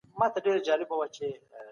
که هر څوک خپل کمال وښيي ټولنه به ښکلې سي.